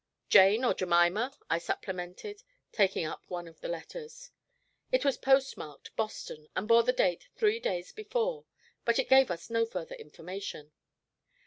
'Jane, or Jemima,' I supplemented, taking up one of the letters. It was post marked Boston, and bore date three days before, but it gave us no further information.